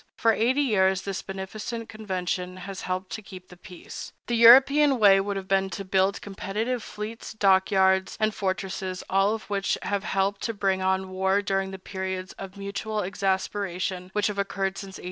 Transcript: For eighty years this beneficent convention has helped to keep the peace. The European way would have been to build competitive fleets, dock yards, and fortresses, all of which would have helped to bring on war during the periods of mutual exasperation which have occurred since 1817.